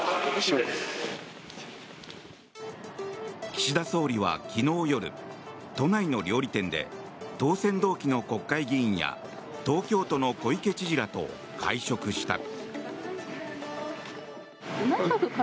岸田総理は昨日夜都内の料理店で当選同期の国会議員や東京都の小池知事らと会食した。